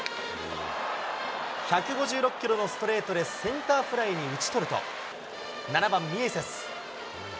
１５６キロのストレートでセンターフライに打ち取ると、７番ミエセス。